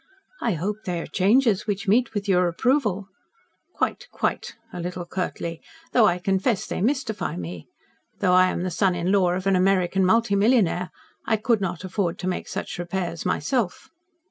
"I hope they are changes which meet with your approval." "Quite quite," a little curtly. "Though I confess they mystify me. Though I am the son in law of an American multimillionaire, I could not afford to make such repairs myself."